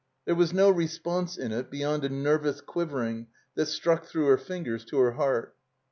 There was no response in it beyond a nervous quivering that struck through her fingers to her heart.